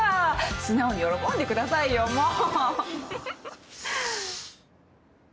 素直に喜んでくださいよもう！